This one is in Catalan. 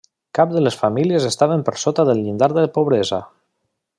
Cap de les famílies estaven per sota del llindar de pobresa.